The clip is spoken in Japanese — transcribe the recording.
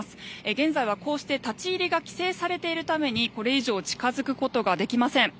現在はこうして立ち入りが規制されているためにこれ以上近づくことができません。